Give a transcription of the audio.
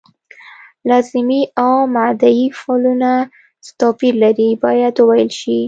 لازمي او متعدي فعلونه څه توپیر لري باید وویل شي.